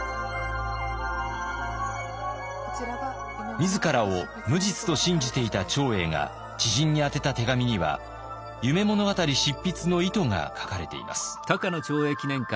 自らを無実と信じていた長英が知人に宛てた手紙には「夢物語」執筆の意図が書かれています。